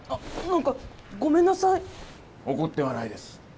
怒ってはないです。